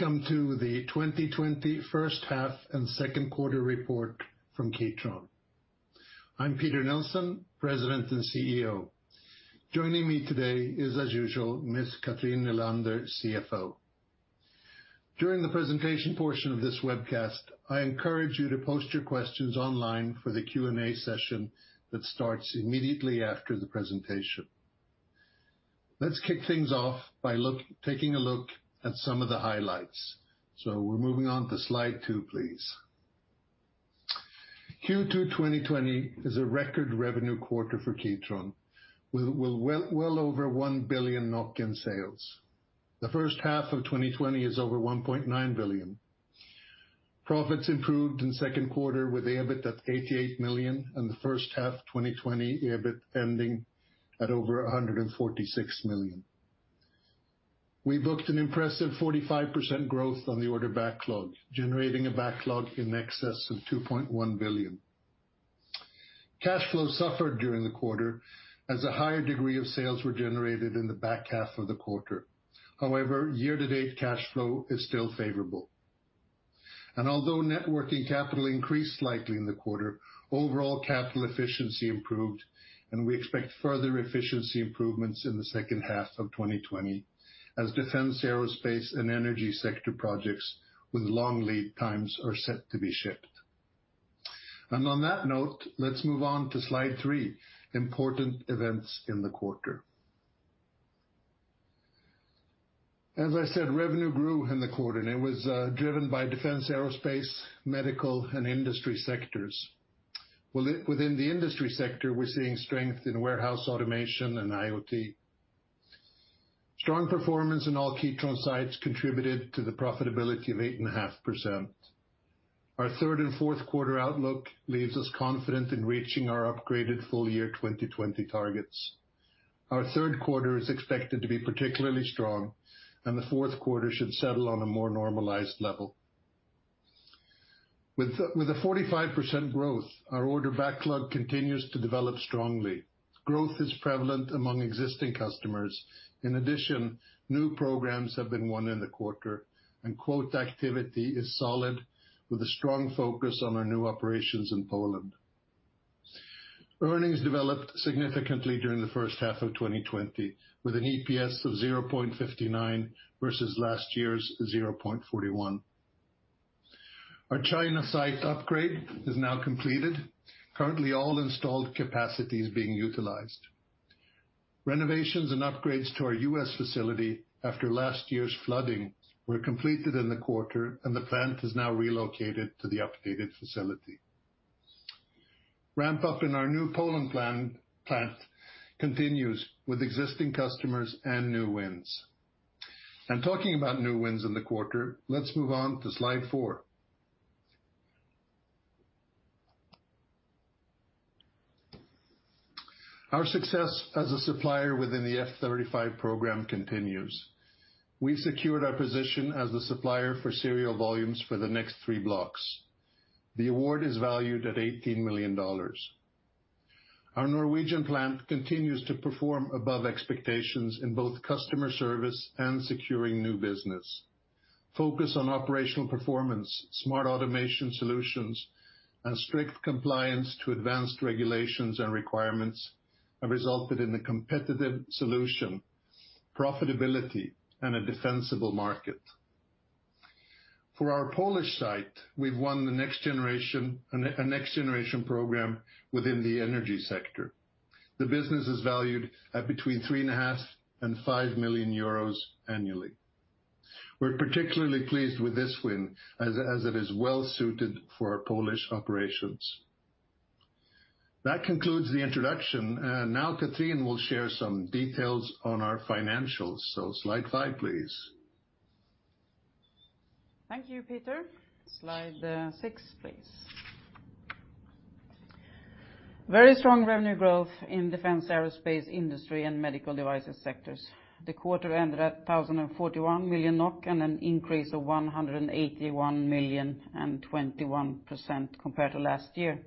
Welcome to the 2020 first half and second quarter report from Kitron. I'm Peter Nilsson, President and CEO. Joining me today is, as usual, Ms. Cathrin Nylander, CFO. During the presentation portion of this webcast, I encourage you to post your questions online for the Q&A session that starts immediately after the presentation. Let's kick things off by taking a look at some of the highlights. We're moving on to slide two, please. Q2 2020 is a record revenue quarter for Kitron, with well over 1 billion NOK in sales. The first half of 2020 is over 1.9 billion. Profits improved in the second quarter, with EBIT at 88 million, and the first half 2020 EBIT ending at over 146 million. We booked an impressive 45% growth on the order backlog, generating a backlog in excess of 2.1 billion. Cash flow suffered during the quarter as a higher degree of sales were generated in the back half of the quarter. However, year-to-date cash flow is still favorable. Although net working capital increased slightly in the quarter, overall capital efficiency improved, and we expect further efficiency improvements in the second half of 2020 as defense, aerospace, and energy sector projects with long lead times are set to be shipped. On that note, let's move on to slide three, important events in the quarter. As I said, revenue grew in the quarter, it was driven by defense, aerospace, medical, and industry sectors. Within the industry sector, we're seeing strength in warehouse automation and IoT. Strong performance in all Kitron sites contributed to the profitability of 8.5%. Our third and fourth quarter outlook leaves us confident in reaching our upgraded full year 2020 targets. Our third quarter is expected to be particularly strong, and the fourth quarter should settle on a more normalized level. With a 45% growth, our order backlog continues to develop strongly. Growth is prevalent among existing customers. In addition, new programs have been won in the quarter, and quote activity is solid with a strong focus on our new operations in Poland. Earnings developed significantly during the first half of 2020, with an EPS of 0.59 versus last year's 0.41. Our China site upgrade is now completed. Currently, all installed capacity is being utilized. Renovations and upgrades to our U.S. facility after last year's flooding were completed in the quarter, and the plant is now relocated to the updated facility. Ramp-up in our new Poland plant continues with existing customers and new wins. Talking about new wins in the quarter, let's move on to slide four. Our success as a supplier within the F-35 Program continues. We secured our position as the supplier for serial volumes for the next three blocks. The award is valued at $18 million. Our Norwegian plant continues to perform above expectations in both customer service and securing new business. Focus on operational performance, smart automation solutions, and strict compliance to advanced regulations and requirements have resulted in a competitive solution, profitability, and a defensible market. For our Polish site, we've won a next generation program within the energy sector. The business is valued at between 3.5 million and 5 million euros annually. We're particularly pleased with this win, as it is well-suited for our Polish operations. That concludes the introduction. Now Cathrin will share some details on our financials. Slide five, please. Thank you, Peter. Slide six, please. Very strong revenue growth in defense, aerospace, industry, and medical devices sectors. The quarter ended at NOk 1,041 million, and an increase of 181 million and 21% compared to last year.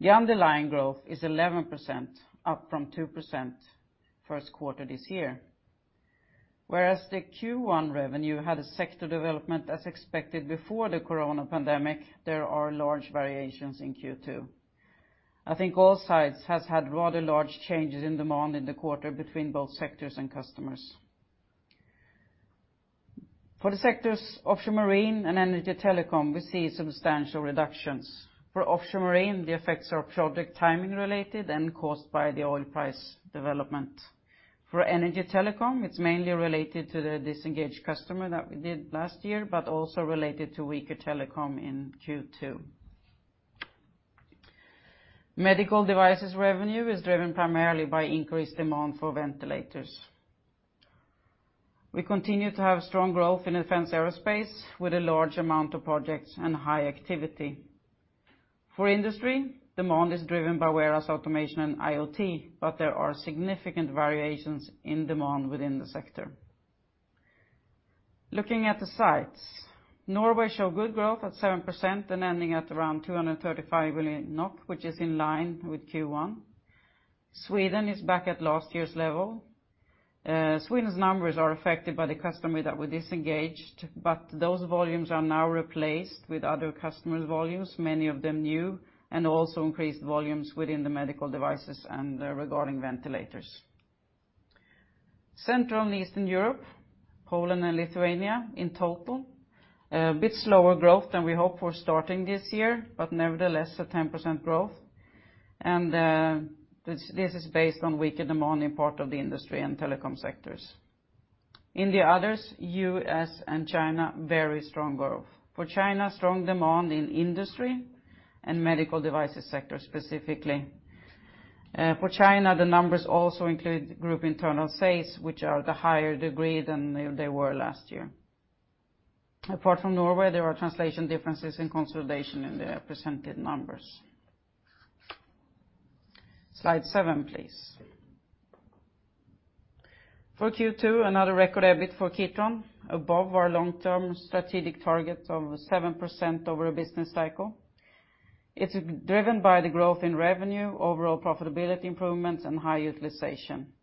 The underlying growth is 11%, up from 2% first quarter this year. Whereas the Q1 revenue had a sector development as expected before the corona pandemic, there are large variations in Q2. I think all sites has had rather large changes in demand in the quarter between both sectors and customers. For the sectors offshore marine and energy telecom, we see substantial reductions. For offshore marine, the effects are project timing related and caused by the oil price development. For energy telecom, it's mainly related to the disengaged customer that we did last year, but also related to weaker telecom in Q2. Medical devices revenue is driven primarily by increased demand for ventilators. We continue to have strong growth in defense aerospace, with a large amount of projects and high activity. For industry, demand is driven by warehouse automation and IoT, but there are significant variations in demand within the sector. Looking at the sites, Norway show good growth at 7% and ending at around 235 million NOK, which is in line with Q1. Sweden is back at last year's level. Sweden's numbers are affected by the customer that we disengaged, but those volumes are now replaced with other customers' volumes, many of them new, and also increased volumes within the medical devices and regarding ventilators. Central and Eastern Europe, Poland and Lithuania in total, a bit slower growth than we hoped for starting this year, but nevertheless, a 10% growth. This is based on weaker demand in part of the industry and telecom sectors. In the others, U.S. and China, very strong growth. For China, strong demand in industry and medical devices sector specifically. For China, the numbers also include group internal sales, which are at a higher degree than they were last year. Apart from Norway, there are translation differences in consolidation in the presented numbers. Slide seven, please. For Q2, another record EBIT for Kitron, above our long-term strategic target of 7% over a business cycle. It's driven by the growth in revenue, overall profitability improvements, and high utilization.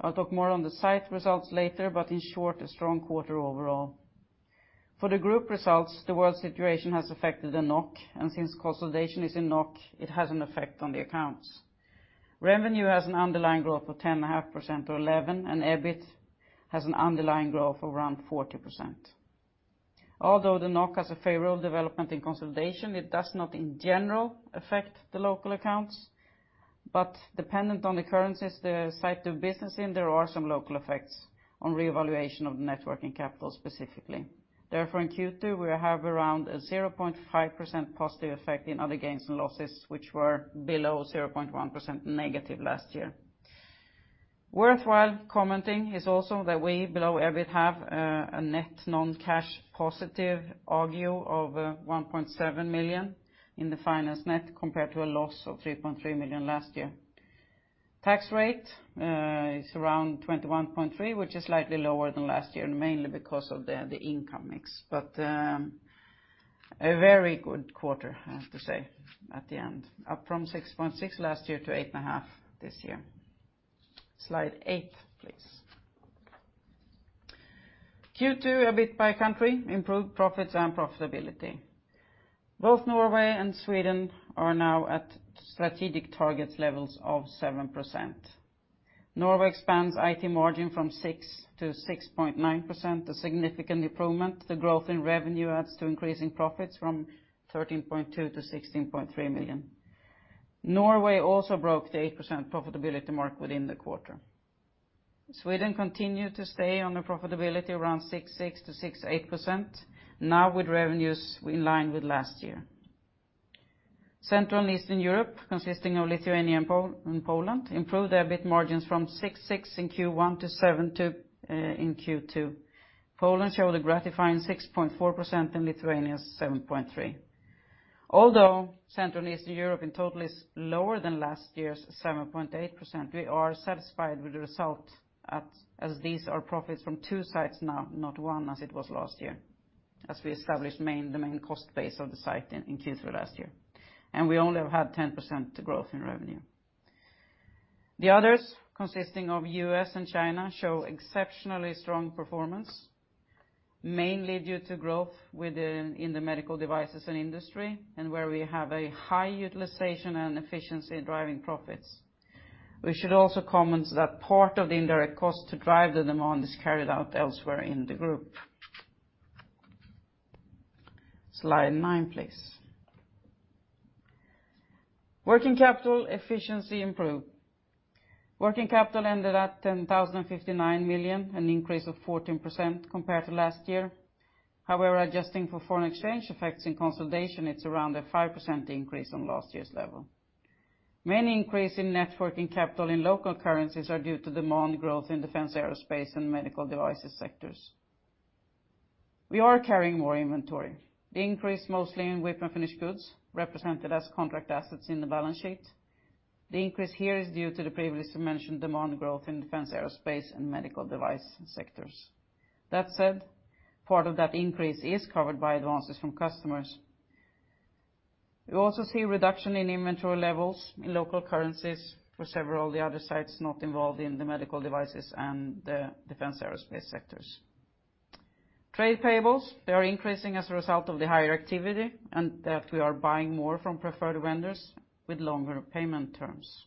I'll talk more on the site results later, but in short, a strong quarter overall. For the group results, the world situation has affected the NOK, and since consolidation is in NOK, it has an effect on the accounts. Revenue has an underlying growth of 10.5%-11%, and EBIT has an underlying growth of around 40%. Although the NOK has a favorable development in consolidation, it does not in general affect the local accounts, but dependent on the currencies the site do business in, there are some local effects on reevaluation of net working capital specifically. Therefore, in Q2, we have around a 0.5% positive effect in other gains and losses, which were below 0.1% negative last year. Worthwhile commenting is also that we, below EBIT, have a net non-cash positive accrual of 1.7 million in the finance net compared to a loss of 3.3 million last year. Tax rate is around 21.3%, which is slightly lower than last year, mainly because of the income mix. A very good quarter, I have to say, at the end, up from 6.6 last year to 8.5 this year. Slide eight, please. Q2 EBIT by country, improved profits and profitability. Both Norway and Sweden are now at strategic target levels of 7%. Norway expands EBIT margin from 6% to 6.9%, a significant improvement. The growth in revenue adds to increasing profits from 13.2 million-16.3 million. Norway also broke the 8% profitability mark within the quarter. Sweden continued to stay on a profitability around 6.6%-6.8%, now with revenues in line with last year. Central and Eastern Europe, consisting of Lithuania and Poland, improved their EBIT margins from 6.6% in Q1-7.2% in Q2. Poland showed a gratifying 6.4% and Lithuania 7.3%. Although Central and Eastern Europe in total is lower than last year's 7.8%, we are satisfied with the result, as these are profits from two sites now, not one as it was last year, as we established the main cost base of the site in Q3 last year, and we only have had 10% growth in revenue. The others, consisting of U.S. and China, show exceptionally strong performance, mainly due to growth in the medical devices and industry, and where we have a high utilization and efficiency in driving profits. We should also comment that part of the indirect cost to drive the demand is carried out elsewhere in the group. Slide nine, please. Working capital efficiency improved. Working capital ended at 10,059 million, an increase of 14% compared to last year. However, adjusting for foreign exchange effects in consolidation, it's around a 5% increase on last year's level. Main increase in net working capital in local currencies are due to demand growth in defense aerospace and medical devices sectors. We are carrying more inventory, the increase mostly in WIP and finished goods, represented as contract assets in the balance sheet. The increase here is due to the previously mentioned demand growth in defense aerospace and medical device sectors. That said, part of that increase is covered by advances from customers. We also see a reduction in inventory levels in local currencies for several of the other sites not involved in the medical devices and the defense aerospace sectors. Trade payables, they are increasing as a result of the higher activity and that we are buying more from preferred vendors with longer payment terms.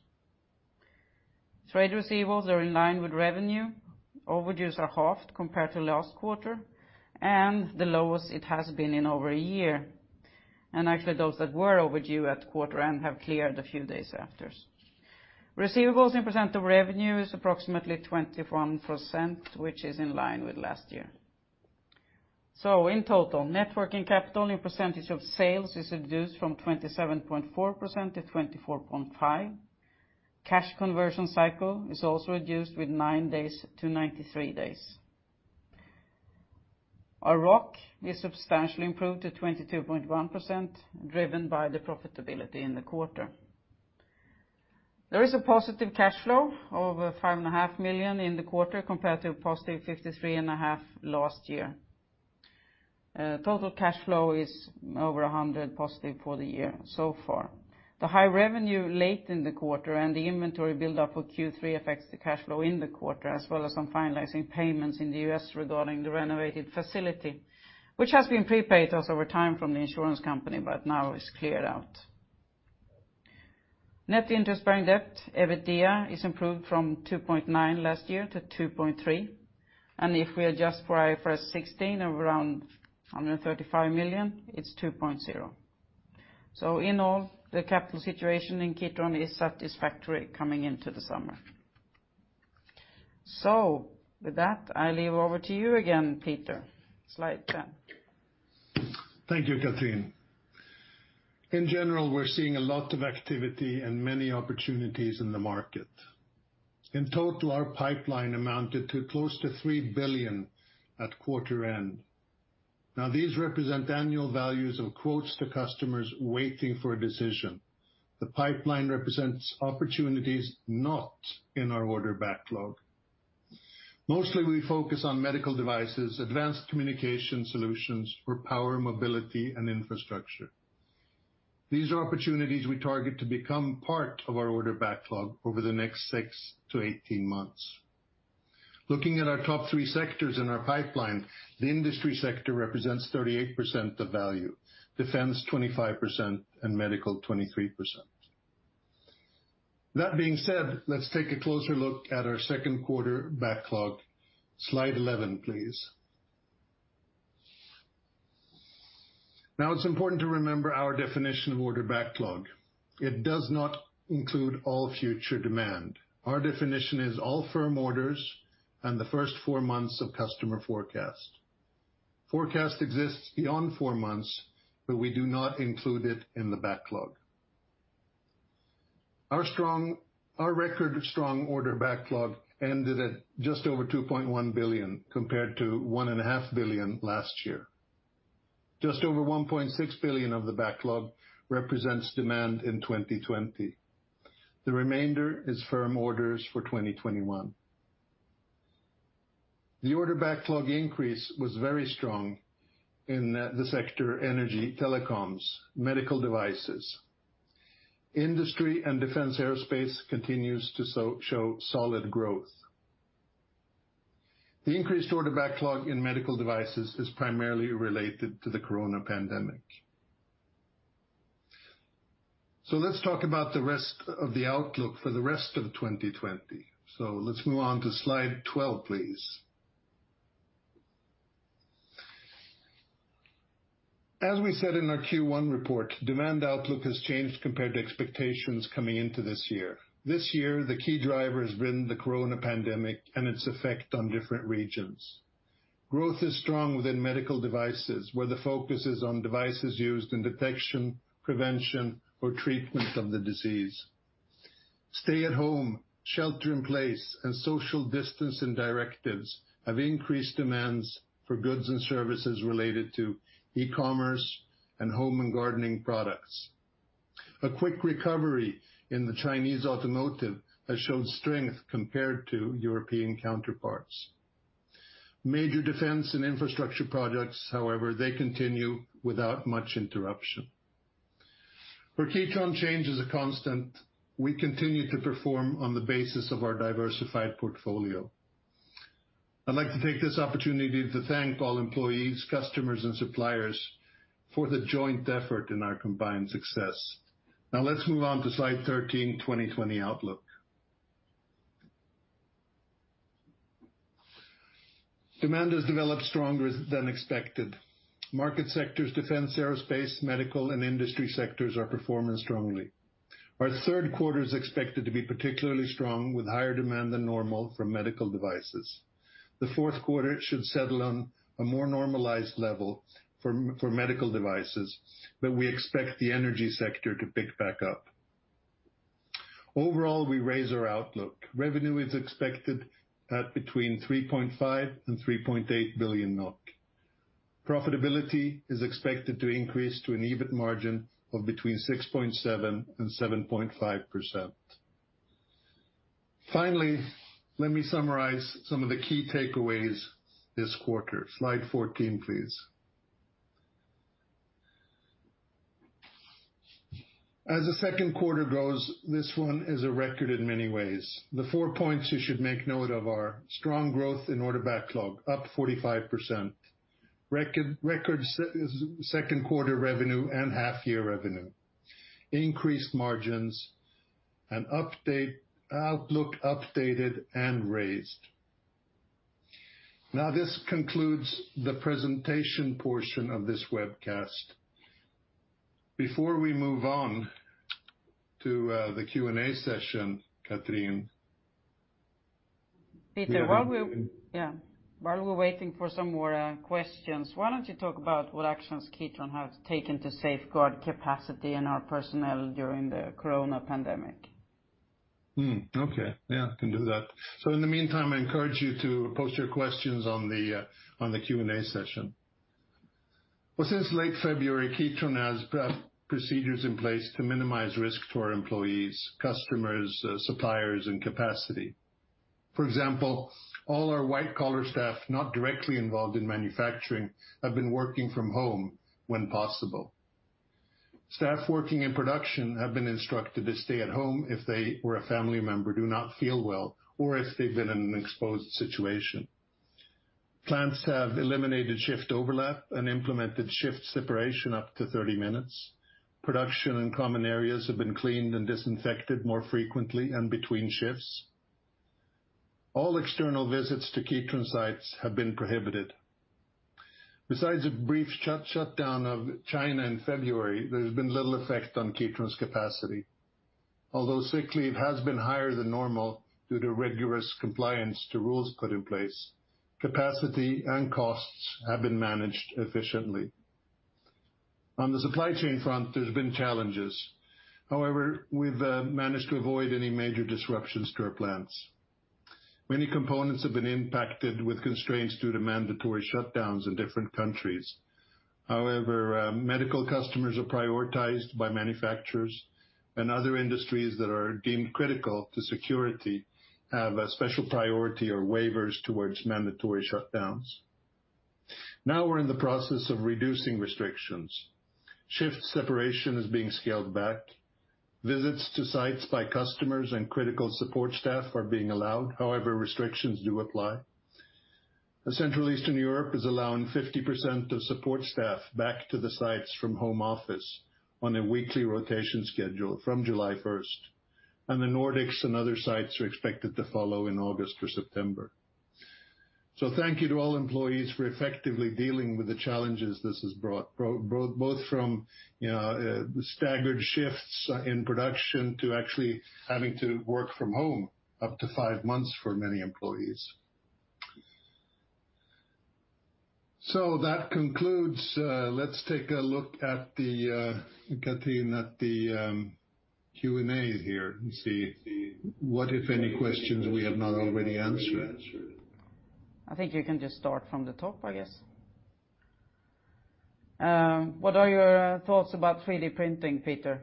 Trade receivables are in line with revenue. Overdues are halved compared to last quarter, and the lowest it has been in over a year. Actually, those that were overdue at quarter end have cleared a few days after. Receivables in % of revenue is approximately 21%, which is in line with last year. In total, net working capital in % of sales is reduced from 27.4%-24.5%. Cash conversion cycle is also reduced with nine days to 93 days. Our ROC is substantially improved to 22.1%, driven by the profitability in the quarter. There is a positive cash flow of 5.5 million in the quarter compared to positive 53.5 last year. Total cash flow is over 100 positive for the year so far. The high revenue late in the quarter and the inventory buildup for Q3 affects the cash flow in the quarter, as well as some finalizing payments in the U.S. regarding the renovated facility, which has been prepaid to us over time from the insurance company, but now is cleared out. Net interest-bearing debt, EBITDA, is improved from 2.9 last year to 2.3, and if we adjust for IFRS 16 of around 135 million, it's 2.0. In all, the capital situation in Kitron is satisfactory coming into the summer. With that, I leave over to you again, Peter. Slide 10. Thank you, Cathrin. In general, we're seeing a lot of activity and many opportunities in the market. In total, our pipeline amounted to close to 3 billion at quarter end. Now, these represent annual values of quotes to customers waiting for a decision. The pipeline represents opportunities not in our order backlog. Mostly we focus on medical devices, advanced communication solutions for power, mobility, and infrastructure. These are opportunities we target to become part of our order backlog over the next 6-18 months. Looking at our top three sectors in our pipeline, the industry sector represents 38% of value, defense 25%, and medical 23%. That being said, let's take a closer look at our second quarter backlog. Slide 11, please. Now, it's important to remember our definition of order backlog. It does not include all future demand. Our definition is all firm orders and the first four months of customer forecast. Forecast exists beyond four months, we do not include it in the backlog. Our record strong order backlog ended at just over 2.1 billion compared to 1.5 billion last year. Just over 1.6 billion of the backlog represents demand in 2020. The remainder is firm orders for 2021. The order backlog increase was very strong in the sector energy telecoms, medical devices. Industry and defense aerospace continues to show solid growth. The increased order backlog in medical devices is primarily related to the coronavirus pandemic. Let's talk about the rest of the outlook for the rest of 2020. Let's move on to slide 12, please. As we said in our Q1 report, demand outlook has changed compared to expectations coming into this year. This year, the key driver has been the coronavirus pandemic and its effect on different regions. Growth is strong within medical devices, where the focus is on devices used in detection, prevention, or treatment of the disease. Stay-at-home, shelter-in-place, and social distancing directives have increased demands for goods and services related to e-commerce and home and gardening products. A quick recovery in the Chinese automotive has showed strength compared to European counterparts. Major defense and infrastructure projects, however, they continue without much interruption. For Kitron, change is a constant. We continue to perform on the basis of our diversified portfolio. I'd like to take this opportunity to thank all employees, customers, and suppliers for the joint effort in our combined success. Let's move on to slide 13, 2020 outlook. Demand has developed stronger than expected. Market sectors, defense, aerospace, medical, and industry sectors are performing strongly. Our third quarter is expected to be particularly strong with higher demand than normal from medical devices. The fourth quarter should settle on a more normalized level for medical devices, but we expect the energy sector to pick back up. Overall, we raise our outlook. Revenue is expected at between 3.5 billion NOK and 3.8 billion NOK. Profitability is expected to increase to an EBIT margin of between 6.7% and 7.5%. Finally, let me summarize some of the key takeaways this quarter. Slide 14, please. As the second quarter goes, this one is a record in many ways. The four points you should make note of are strong growth in order backlog, up 45%, record second quarter revenue and half year revenue, increased margins, and outlook updated and raised. This concludes the presentation portion of this webcast. Before we move on to the Q&A session, Cathrin- Peter, Do you have any? Yeah. While we're waiting for some more questions, why don't you talk about what actions Kitron has taken to safeguard capacity and our personnel during the coronavirus pandemic? Okay. Yeah, I can do that. In the meantime, I encourage you to post your questions on the Q&A session. Well, since late February, Kitron has procedures in place to minimize risk to our employees, customers, suppliers, and capacity. For example, all our white-collar staff not directly involved in manufacturing have been working from home when possible. Staff working in production have been instructed to stay at home if they or a family member do not feel well, or if they've been in an exposed situation. Plants have eliminated shift overlap and implemented shift separation up to 30 minutes. Production and common areas have been cleaned and disinfected more frequently and between shifts. All external visits to Kitron sites have been prohibited. Besides a brief shutdown of China in February, there's been little effect on Kitron's capacity. Although sick leave has been higher than normal due to rigorous compliance to rules put in place, capacity and costs have been managed efficiently. On the supply chain front, there's been challenges. We've managed to avoid any major disruptions to our plants. Many components have been impacted with constraints due to mandatory shutdowns in different countries. Medical customers are prioritized by manufacturers, and other industries that are deemed critical to security have a special priority or waivers towards mandatory shutdowns. We're in the process of reducing restrictions. Shift separation is being scaled back. Visits to sites by customers and critical support staff are being allowed. Restrictions do apply. Central Eastern Europe is allowing 50% of support staff back to the sites from home office on a weekly rotation schedule from July 1st, and the Nordics and other sites are expected to follow in August or September. Thank you to all employees for effectively dealing with the challenges this has brought, both from staggered shifts in production to actually having to work from home up to five months for many employees. That concludes. Let's take a look, Cathrin, at the Q&A here and see what, if any, questions we have not already answered. I think you can just start from the top, I guess. What are your thoughts about 3D printing, Peter?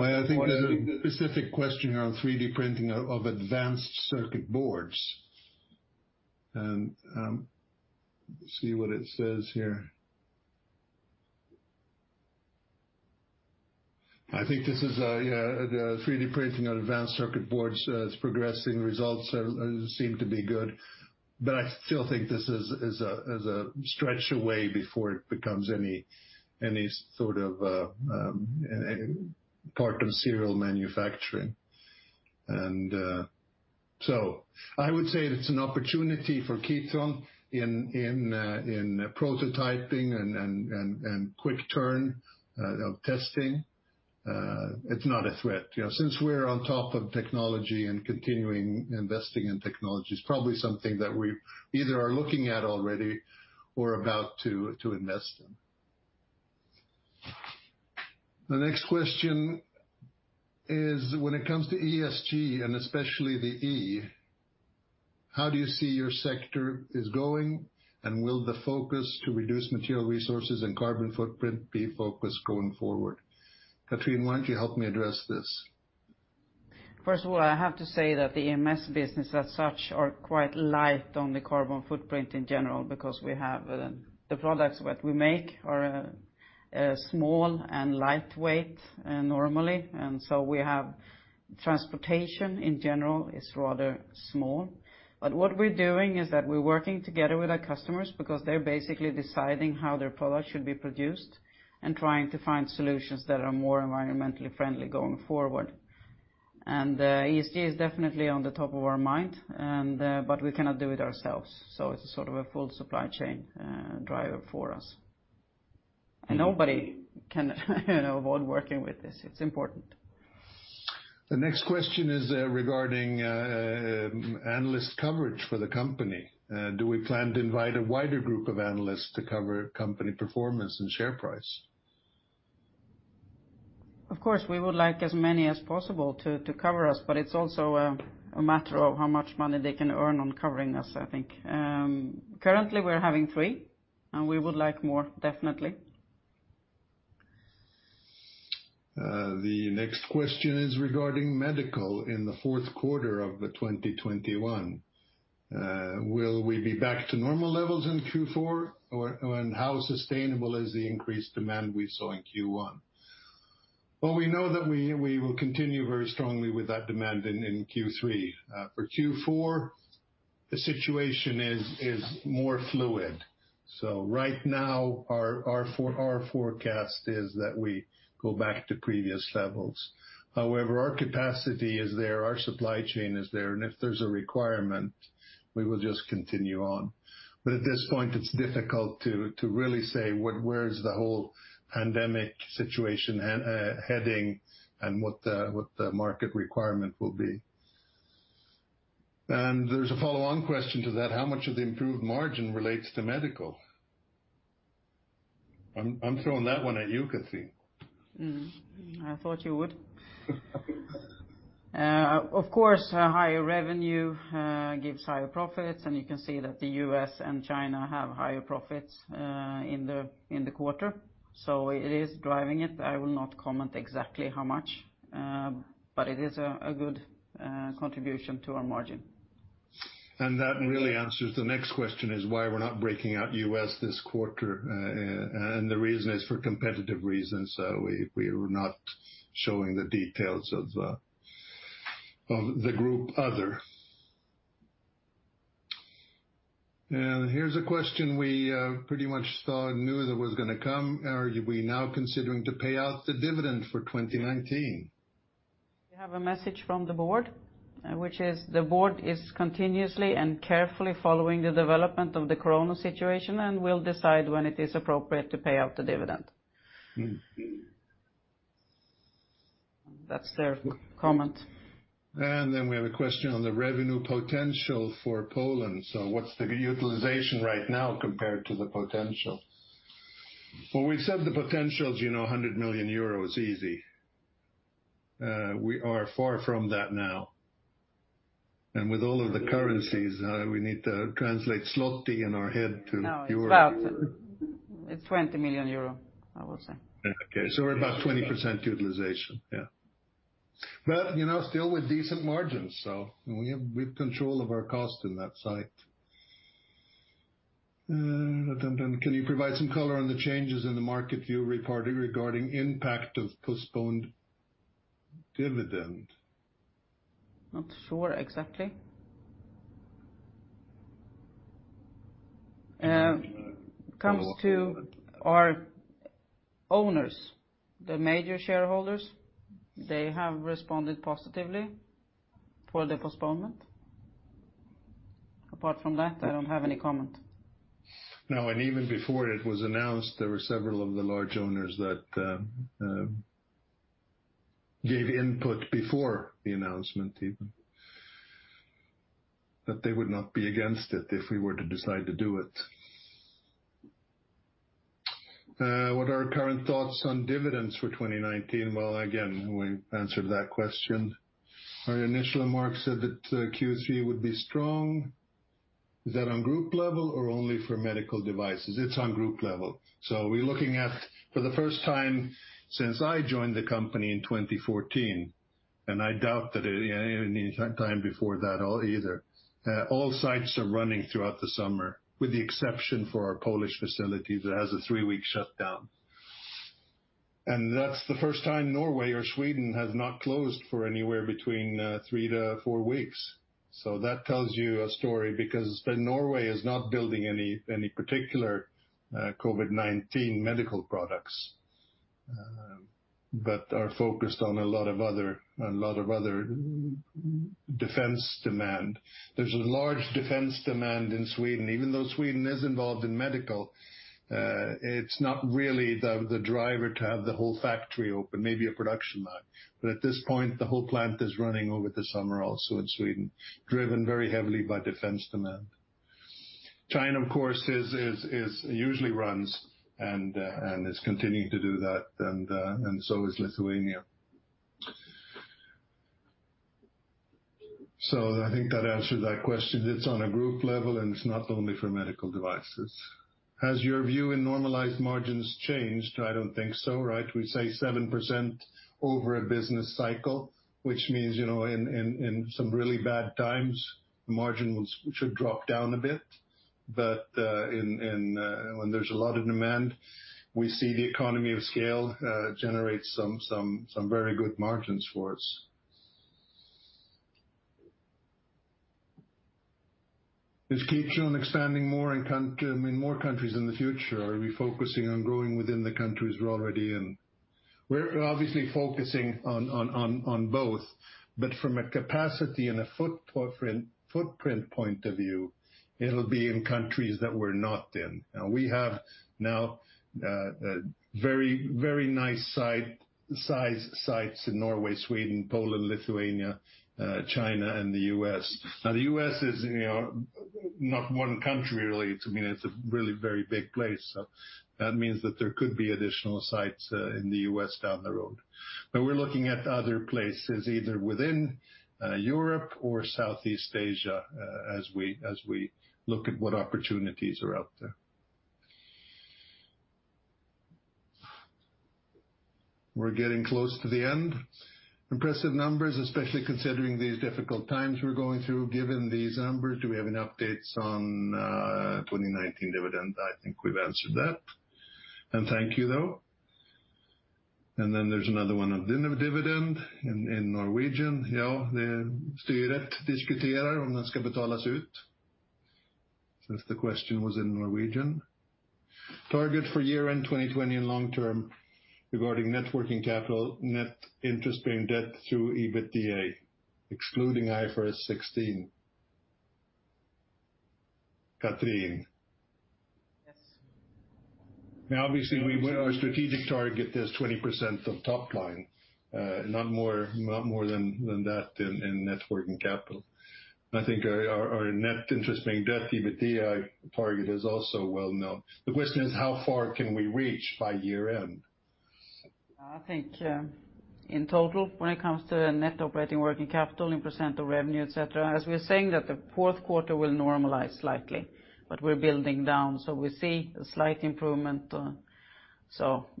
Well, I think there's a specific question here on 3D printing of advanced circuit boards, and see what it says here. I think this is, yeah, the 3D printing of advanced circuit boards. It's progressing. Results seem to be good. I still think this is a stretch away before it becomes any sort of part of serial manufacturing. I would say it's an opportunity for Kitron in prototyping and quick turn of testing. It's not a threat. Since we're on top of technology and continuing investing in technology, it's probably something that we either are looking at already or about to invest in. The next question is when it comes to ESG, and especially the E, how do you see your sector is going? Will the focus to reduce material resources and carbon footprint be focused going forward? Cathrin, why don't you help me address this? First of all, I have to say that the MS business as such is quite light on the carbon footprint in general because the products that we make are small and lightweight normally, and so we have transportation in general is rather small. What we're doing is that we're working together with our customers because they're basically deciding how their product should be produced, and trying to find solutions that are more environmentally friendly going forward. ESG is definitely on the top of our mind, but we cannot do it ourselves. It's a sort of a full supply chain driver for us. Nobody can avoid working with this. It's important. The next question is regarding analyst coverage for the company. Do we plan to invite a wider group of analysts to cover company performance and share price? Of course, we would like as many as possible to cover us, but it's also a matter of how much money they can earn on covering us, I think. Currently, we're having three, and we would like more, definitely. The next question is regarding medical in the fourth quarter of 2021. Will we be back to normal levels in Q4? How sustainable is the increased demand we saw in Q1? Well, we know that we will continue very strongly with that demand in Q3. For Q4, the situation is more fluid. Right now our forecast is that we go back to previous levels. However, our capacity is there, our supply chain is there, and if there's a requirement, we will just continue on. At this point, it's difficult to really say where is the whole pandemic situation heading and what the market requirement will be. There's a follow-on question to that. How much of the improved margin relates to medical? I'm throwing that one at you, Cathrin. I thought you would. Of course, higher revenue gives higher profits, and you can see that the U.S. and China have higher profits in the quarter. It is driving it. I will not comment exactly how much, but it is a good contribution to our margin. That really answers the next question, is why we're not breaking out U.S. this quarter, and the reason is for competitive reasons. We were not showing the details of the group other. Here's a question we pretty much knew that was going to come. Are we now considering to pay out the dividend for 2019? We have a message from the board, which is the board is continuously and carefully following the development of the Corona situation and will decide when it is appropriate to pay out the dividend. That's their comment. We have a question on the revenue potential for Poland. What's the utilization right now compared to the potential? We said the potential is 100 million euro easy. We are far from that now. With all of the currencies, we need to translate zloty in our head to euro. No, it's about 20 million euro, I will say. Okay, we're about 20% utilization, yeah. Still with decent margins, so we have control of our cost in that site. Can you provide some color on the changes in the market you reported regarding impact of postponed dividend? Not sure exactly. Comes to our owners, the major shareholders, they have responded positively for the postponement. Apart from that, I don't have any comment. No, even before it was announced, there were several of the large owners that gave input before the announcement even, that they would not be against it if we were to decide to do it. What are our current thoughts on dividends for 2019? Well, again, we answered that question. Our initial mark said that Q3 would be strong. Is that on group level or only for medical devices? It's on group level. We're looking at, for the first time since I joined the company in 2014, and I doubt that in any time before that either, all sites are running throughout the summer, with the exception for our Polish facility that has a three-week shutdown. That's the first time Norway or Sweden has not closed for anywhere between three to four weeks. That tells you a story because Norway is not building any particular COVID-19 medical products, but are focused on a lot of other defense demand. There's a large defense demand in Sweden. Even though Sweden is involved in medical, it's not really the driver to have the whole factory open, maybe a production line. At this point, the whole plant is running over the summer, also in Sweden, driven very heavily by defense demand. China, of course, it usually runs and is continuing to do that, and so is Lithuania. I think that answered that question. It's on a group level, and it's not only for medical devices. Has your view in normalized margins changed? I don't think so, right? We say 7% over a business cycle, which means, in some really bad times, margins should drop down a bit. When there's a lot of demand, we see the economy of scale generate some very good margins for us. Does Kitron plan on expanding in more countries in the future, or are we focusing on growing within the countries we're already in? We're obviously focusing on both, from a capacity and a footprint point of view, it'll be in countries that we're not in. We have now very nice sites in Norway, Sweden, Poland, Lithuania, China, and the U.S. The U.S. is not one country, really. It's a really very big place. That means that there could be additional sites in the U.S. down the road. We're looking at other places, either within Europe or Southeast Asia, as we look at what opportunities are out there. We're getting close to the end. Impressive numbers, especially considering these difficult times we're going through. Given these numbers, do we have any updates on 2019 dividend? I think we've answered that. Thank you, though. Then there's another one on dividend in Norwegian. Since the question was in Norwegian. Target for year-end 2020 and long term regarding net working capital, net interest-bearing debt through EBITDA, excluding IFRS 16. Cathrin? Yes. Now, obviously our strategic target is 20% of top line. Not more than that in net working capital. I think our net interest-bearing debt, EBITDA target is also well-known. The question is how far can we reach by year end? I think in total, when it comes to net operating working capital in % of revenue, et cetera, as we are saying that the fourth quarter will normalize slightly, but we're building down, so we see a slight improvement.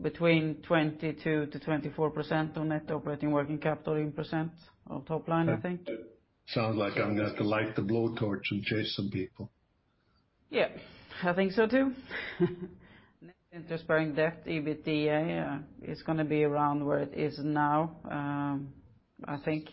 Between 22%-24% on net operating working capital in % of top line, I think. Sounds like I'm going to have to light the blowtorch and chase some people. Yeah, I think so too. Net interest-bearing debt, EBITDA is going to be around where it is now, I think.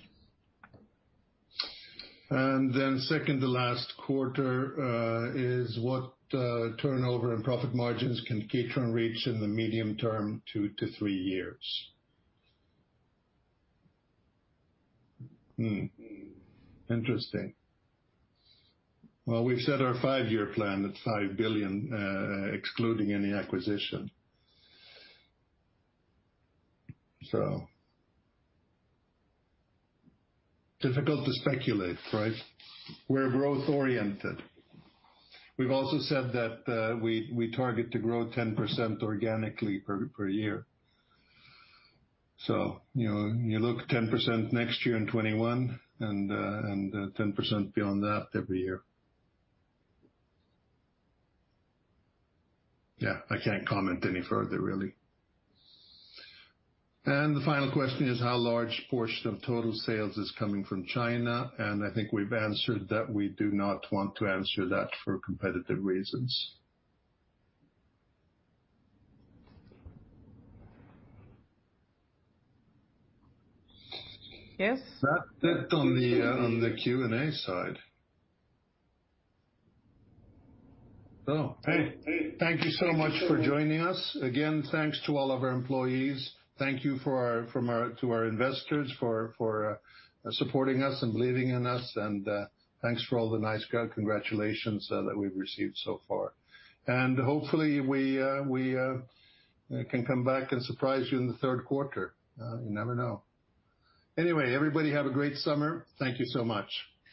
Second to last quarter is what turnover and profit margins can Kitron reach in the medium term, 2-3 years? Interesting. Well, we've set our five-year plan at $5 billion, excluding any acquisition. Difficult to speculate, right? We're growth oriented. We've also said that we target to grow 10% organically per year. You look 10% next year in 2021, and 10% beyond that every year. Yeah, I can't comment any further, really. The final question is how large portion of total sales is coming from China, and I think we've answered that we do not want to answer that for competitive reasons. Yes. That's it on the Q&A side. Oh, hey. Thank you so much for joining us. Again, thanks to all of our employees. Thank you to our investors for supporting us and believing in us, and thanks for all the nice congratulations that we've received so far. Hopefully we can come back and surprise you in the third quarter. You never know. Anyway, everybody have a great summer. Thank you so much.